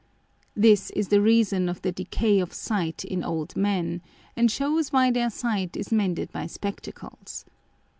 This is the reason of the decay of sight in old Men, and shews why their Sight is mended by Spectacles.